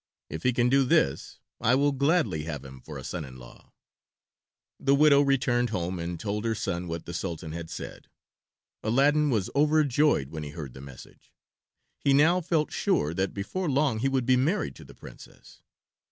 If he can do this I will gladly have him for a son in law." The widow returned home and told her son what the Sultan had said. Aladdin was overjoyed when he heard the message. He now felt sure that before long he would be married to the Princess.